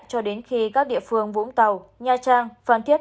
cho đến khi các địa phương vũng tàu nha trang phan thiết